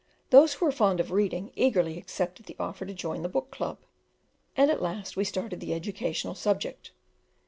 Those who were fond of reading eagerly accepted the offer to join the book club, and at last we started the educational subject.